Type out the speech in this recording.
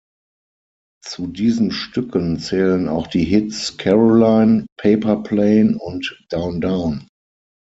Zu diesen Stücken zählen auch die Hits "Caroline, Paper Plane" und "Down Down".